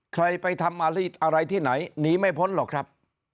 ใครไปทำอะไรที่ไหนหนีไม่พ้นหรอกครับ